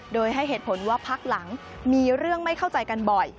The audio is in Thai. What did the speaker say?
โดยให้เหตุผลว่าพักหลังมีเรื่องไม่เข้าใจกันบ่อย